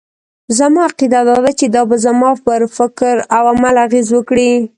زما عقيده دا ده چې دا به زما پر فکراو عمل اغېز وکړي.